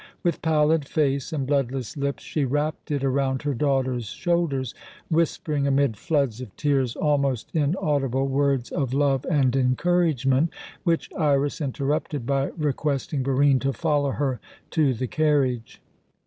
With pallid face and bloodless lips she wrapped it around her daughter's shoulders, whispering, amid floods of tears, almost inaudible words of love and encouragement, which Iras interrupted by requesting Barine to follow her to the carriage.